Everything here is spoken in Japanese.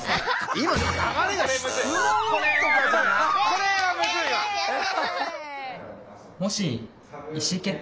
これはむずいわ。